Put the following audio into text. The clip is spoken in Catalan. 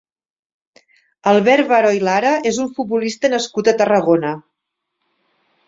Albert Varo i Lara és un futbolista nascut a Tarragona.